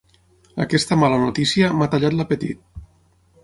Aquesta mala notícia m'ha tallat l'apetit.